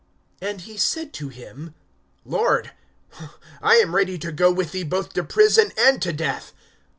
(33)And he said to him: Lord, I am ready to go with thee, both to prison and to death.